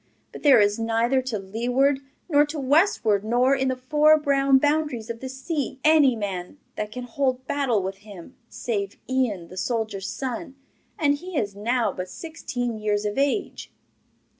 But there is neither to leeward, nor to westward, nor in the four brown boundaries of the sea, any man that can hold battle with him, save Ian, the soldier's son, and he is now but sixteen years of age.